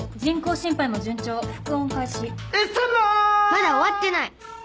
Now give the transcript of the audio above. まだ終わってない。